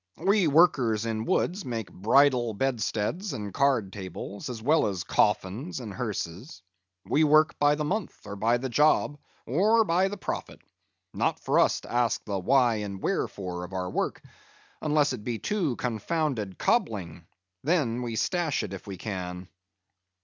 We workers in woods make bridal bedsteads and card tables, as well as coffins and hearses. We work by the month, or by the job, or by the profit; not for us to ask the why and wherefore of our work, unless it be too confounded cobbling, and then we stash it if we can.